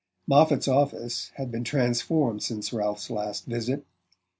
Moffatt's office had been transformed since Ralph's last visit.